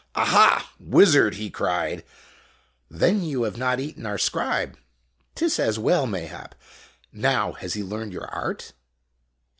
"Aha! Wizard," he cried, "then you have not eaten our scribe? 'T is as well, mayhap. Now, has he learned your art